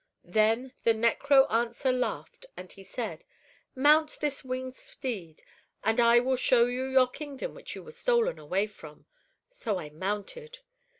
"Then the necroanswer laughed, and he said: "'Mount this winged steed, and I will show you your kingdom which you were stolen away from.' "So I mounted."